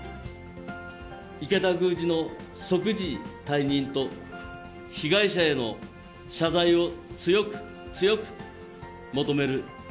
池田宮司の即時退任と、被害者への謝罪を強く強く求める。